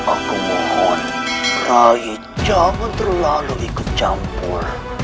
aku mohon rai jangan terlalu ikut campur